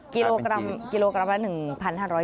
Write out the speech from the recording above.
กิโลกรัมละ๑๕๐๐บาท